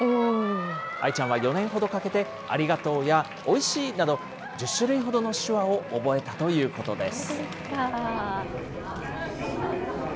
あいちゃんは４年ほどかけて、ありがとうやおいしいなど、１０種類ほどの手話を覚えたということです。